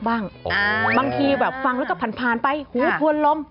บางทีแบบฟังแล้วก็ผ่านไปหูทวนลม